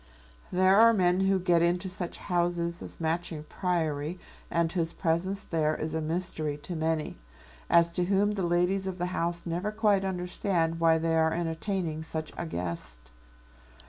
There are men who get into such houses as Matching Priory and whose presence there is a mystery to many; as to whom the ladies of the house never quite understand why they are entertaining such a guest.